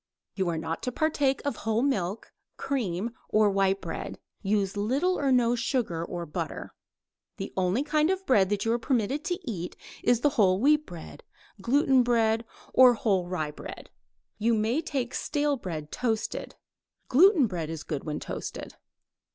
_ You are not to partake of whole milk, cream, or white bread. Use little or no sugar or butter. The only kind of bread that you are permitted to eat is the whole wheat bread, gluten bread, or whole rye bread. You may take stale bread toasted. Gluten bread is good when toasted.